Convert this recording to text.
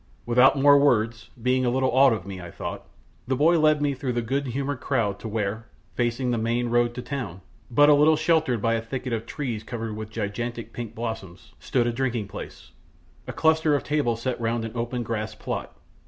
Without more words, being a little awed of me, I thought, the boy led me through the good humoured crowd to where, facing the main road to the town, but a little sheltered by a thicket of trees covered with gigantic pink blossoms, stood a drinking place a cluster of tables set round an open grass plot.